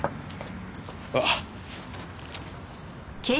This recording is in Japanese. あっ。